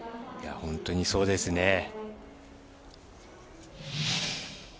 本当にそうですね。